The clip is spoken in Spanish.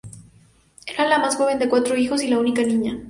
Era la más joven de cuatro hijos y la única niña.